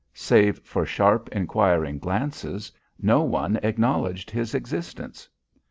Save for sharp inquiring glances, no one acknowledged his existence.